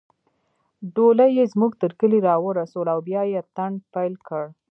ډولۍ يې زموږ تر کلي راورسوله او بیا يې اتڼ پیل کړ